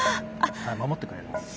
守ってくれるものですね。